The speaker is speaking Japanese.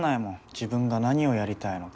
自分が何をやりたいのか。